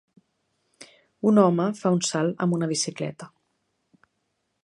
Un home fa un salt amb una bicicleta